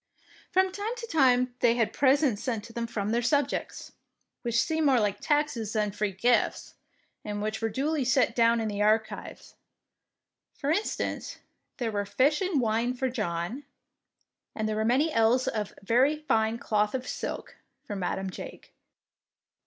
From time to time they had presents sent to them from their subjects, which seem more like taxes than free gifts, and which were duly set down in the archives. For instance, there were fish and wine for John, and there were many ells of very fine cloth of silk " for Madam Jake.